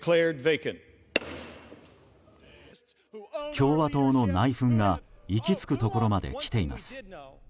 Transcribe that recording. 共和党の内紛が行きつくところまで来ています。